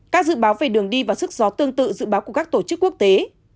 các dự báo về đường đi và sức gió tương tự dự báo của các tổ chức quốc tế